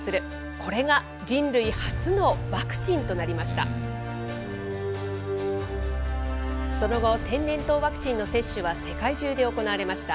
これが人類初のワクチンとなりました。